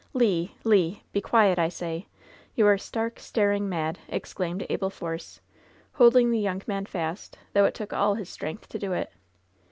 "Le! Lei be quiet, I say! You are stark, staring mad!'' exclaimed Abel Force, holding the young man fast, though it took all his strength to do it.